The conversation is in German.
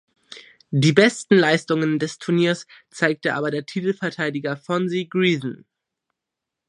Die besten Leistungen des Turniers zeigte aber der Titelverteidiger Fonsy Grethen.